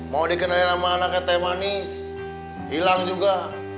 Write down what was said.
mau dikenali nama anak teh manis hilang juga